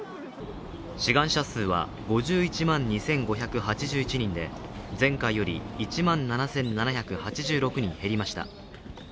志願者数は５１万２５８１人で、前回より１万７７８６人減りました。